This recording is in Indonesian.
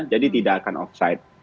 jadi tidak akan offside